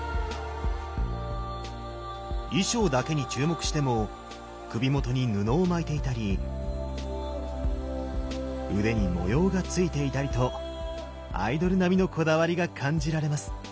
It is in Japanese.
衣装だけに注目しても首元に布を巻いていたり腕に模様がついていたりとアイドルなみのこだわりが感じられます。